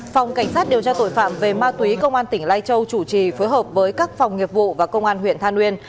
phòng cảnh sát điều tra tội phạm về ma túy công an tỉnh lai châu chủ trì phối hợp với các phòng nghiệp vụ và công an huyện than uyên